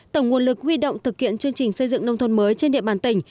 tổng nguồn lực huy động thực hiện chương trình xây dựng nông thôn mới trên địa bàn tỉnh